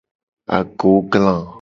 Agogla.